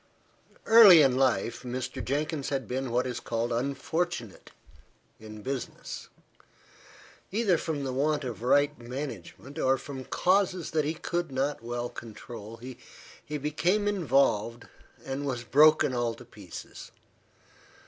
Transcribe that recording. EARLY in life, Mr. Jenkins had been what is called unfortunate in business. Either from the want of right management, or from causes that he could not well control, he became involved, and was broken all to pieces.